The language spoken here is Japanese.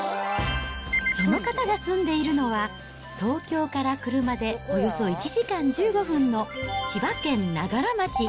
その方が住んでいるのは、東京から車でおよそ１時間１５分の、千葉県長柄町。